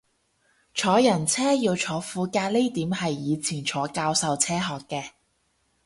坐人車要坐副駕呢點係以前坐教授車學嘅